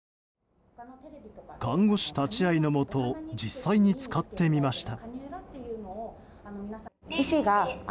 看護師立ち会いのもと実際に使ってみました。